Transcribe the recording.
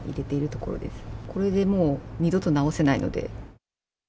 これでもう、二度と直せないので。